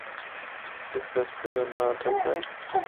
اس قصبے دا ناں اٹک ہے۔